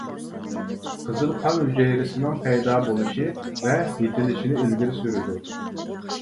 قىزىل قان ھۈجەيرىسىنىڭ پەيدا بولۇشى ۋە يېتىلىشىنى ئىلگىرى سۈرىدۇ.